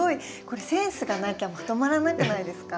これセンスがなきゃまとまらなくないですか？